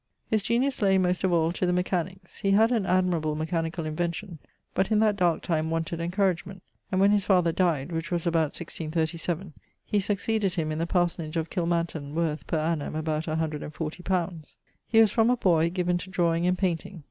His genius lay most of all to the mechanicks; he had an admirable mechanicall invention, but in that darke time wanted encouragement, and when his father dyed (which was about 1637) he succeeded him in the parsonage of Kilmanton, worth, per annum, about 140_li._ He was from a boy given to draweing and painting.